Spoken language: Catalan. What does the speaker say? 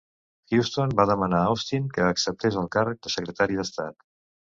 Houston va demanar a Austin que acceptés el càrrec de secretari d'estat.